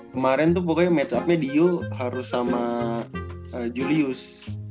kemaren tuh pokoknya match upnya dio harus sama julius